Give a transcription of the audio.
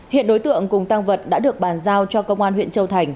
hiện đối tượng cùng tăng vật đã được bàn giao cho công an huyện châu thành